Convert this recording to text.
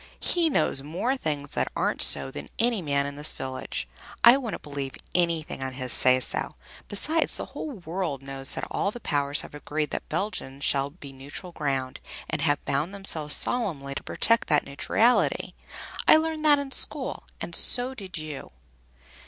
"He knows more things that aren't so than any man in this village. I wouldn't believe anything on his say so! Besides, the whole world knows that all the Powers have agreed that Belgium shall be neutral ground, and have bound themselves solemnly to protect that neutrality. I learned that in school, and so did you."